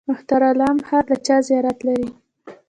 مهترلام ښار د چا زیارت لري؟